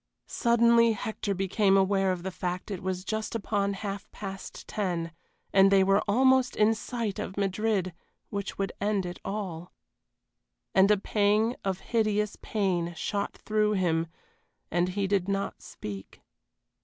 Suddenly Hector became aware of the fact it was just upon half past ten, and they were almost in sight of Madrid, which would end it all. And a pang of hideous pain shot through him, and he did not speak.